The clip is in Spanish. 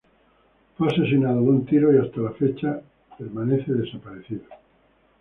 Fue asesinado de un tiro y hasta la fecha, permanece desaparecido.